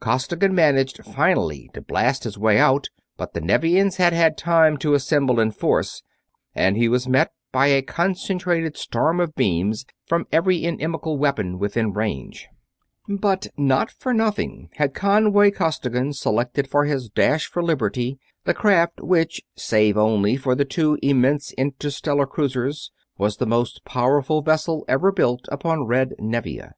Costigan managed finally to blast his way out, but the Nevians had had time to assemble in force and he was met by a concentrated storm of beams and of metal from every inimical weapon within range. But not for nothing had Conway Costigan selected for his dash for liberty the craft which, save only for the two immense interstellar cruisers, was the most powerful vessel ever built upon red Nevia.